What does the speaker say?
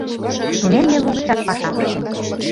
Тунемме лугычак пашам ыштем.